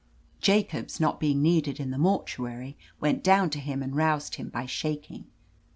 Jacobs, not being needed in the mor tuary, went down to him and roused him by shaking.